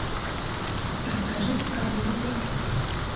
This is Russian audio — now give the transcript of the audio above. Расскажите, как было дело.